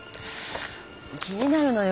気になるのよ。